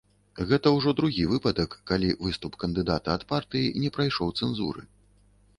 Гэта ўжо другі выпадак, калі выступ кандыдата ад партыі не прайшоў цэнзуры.